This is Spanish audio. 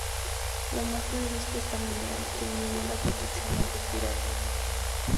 Lo más curioso, es que esta memoria no tiene ninguna protección anti pirata.